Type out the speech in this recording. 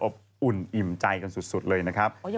อบอุ่นอิ่มใจกันสุดเลยนะครับ